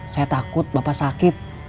saya takut bapak sakit